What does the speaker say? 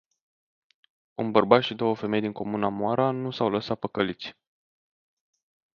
Un bărbat și două femei din comuna Moara nu s-au lăsat păcăliți.